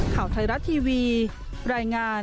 ข่าวไทยรัฐทีวีรายงาน